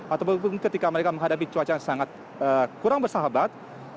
ataupun ketika mereka menghadapi cuaca yang sangat kurang bersahabat